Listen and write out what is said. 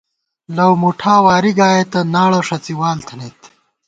لَؤ مُٹھا وارِی گایئېتہ، ناڑہ ݭڅی وال تھنَئیت